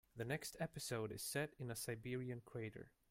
The next episode is set in a Siberian crater.